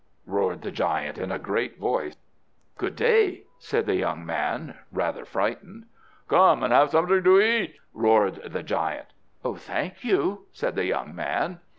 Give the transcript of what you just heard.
roared the giant, in a great voice. "Good day!" said the young man, rather frightened. "Come and have something to eat!" roared the giant. "Thank you," said the young man.